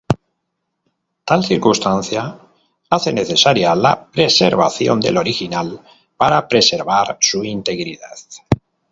Tal circunstancia hace necesaria la preservación del "original" para preservar su integridad.